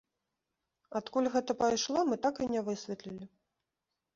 Адкуль гэта пайшло, мы так і не высветлілі.